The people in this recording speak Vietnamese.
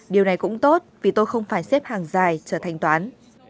điều này cũng tốt vì tôi không phải xếp hàng dài chờ thanh toán